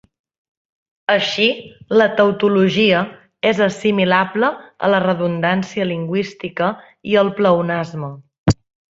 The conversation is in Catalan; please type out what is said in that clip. Així, la tautologia és assimilable a la redundància lingüística i al pleonasme.